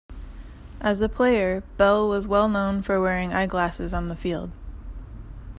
As a player, Bell was well known for wearing eyeglasses on the field.